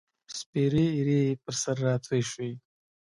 سپیرې ایرې یې پر سر راتوی شوې